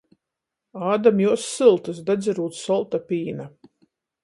Ādam juos syltys, dadzerūt solta pīna.